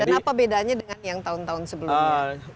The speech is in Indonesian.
dan apa bedanya dengan yang tahun tahun sebelumnya